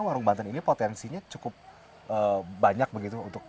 warung banten ini potensinya cukup banyak begitu